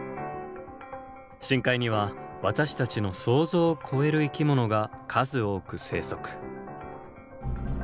深海には私たちの想像を超える生き物が数多く生息。